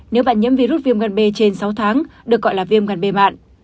nếu bạn nhiễm virus viêm gan b trên sáu tháng được gọi là viêm gan b mạn